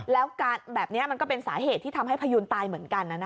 แล้วแบบนี้มันก็เป็นสาเหตุที่ทำให้พยูนตายเหมือนกัน